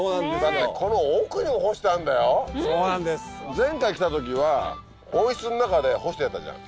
前回来た時は温室の中で干してあったじゃん。